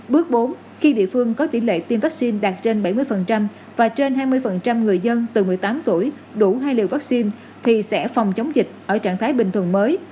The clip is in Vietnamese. bước bốn khi địa phương có tỷ lệ tiêm vaccine đạt trên bảy mươi và trên hai mươi người dân từ một mươi tám tuổi đủ hai liều vaccine thì sẽ phòng chống dịch ở trạng thái bình thường mới